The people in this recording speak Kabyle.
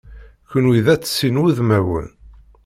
Kunwi d at sin wudmawen.